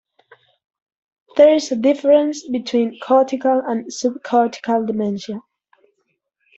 There is a difference between cortical and subcortical dementia.